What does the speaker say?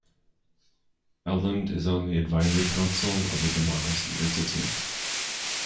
Eland is on the Advisory Council of the Democracy Institute.